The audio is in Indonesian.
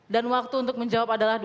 dan waktu untuk menjawab adalah dua